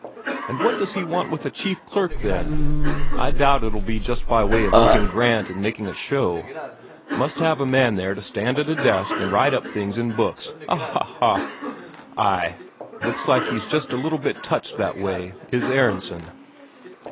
And what does he want with a chief clerk, then? I doubt it'll be just by way of looking grand and making a show, must have a man there to stand at a desk and write up things in books. Ha ha ha! ay, looks like he's just a little bit touched that way, is Aronsen."